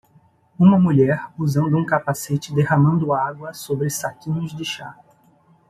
Uma mulher usando um capacete derramando água sobre saquinhos de chá.